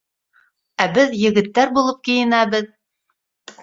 Ә беҙ егеттәр булып кейенәбеҙ!